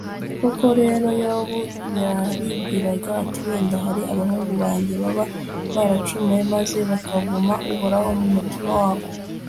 koko rero, yobu yaribwiraga ati wenda ahari abahungu banjye baba baracumuye, maze bakavuma uhoraho mu mutima wabo